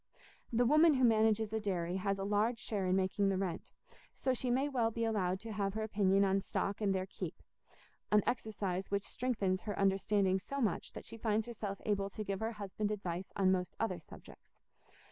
The woman who manages a dairy has a large share in making the rent, so she may well be allowed to have her opinion on stock and their "keep"—an exercise which strengthens her understanding so much that she finds herself able to give her husband advice on most other subjects.